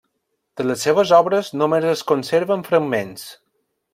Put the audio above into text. De les seves obres només es conserven fragments.